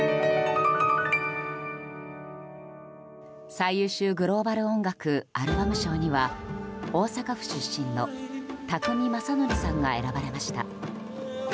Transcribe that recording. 最優秀グローバル音楽アルバム賞には大阪府出身の宅見将典さんが選ばれました。